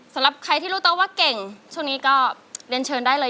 สำหรับใครที่รู้ตัวว่าเก่งช่วงนี้ก็เรียนเชิญได้เลย